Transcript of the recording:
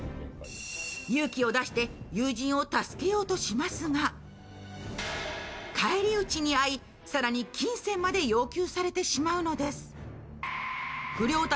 勇気を出して友人を助けようとしますが返り討ちに遭い更に金銭まで要求されてしまうのです。